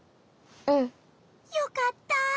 うん。よかった。